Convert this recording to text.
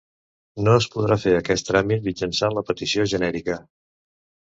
No es podrà fer aquest tràmit mitjançant la Petició genèrica.